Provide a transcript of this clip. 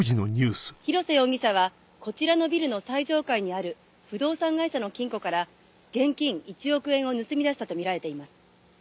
広瀬容疑者はこちらのビルの最上階にある不動産会社の金庫から現金１億円を盗み出したとみられています。